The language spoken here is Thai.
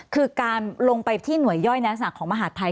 คือการลงไปที่หน่วยย่อยนักศนักของมหาธิภัย